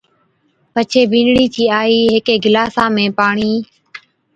پڇي بِينڏڙِي چِي آئِي ھيڪي گلاسا ۾ پاڻِي